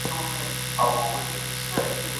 په کابل کي د صنعت لپاره ترانسپورت څه رول لري؟